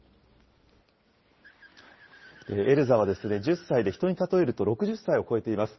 エルザは、１０歳で、人に例えると、６０歳を超えています。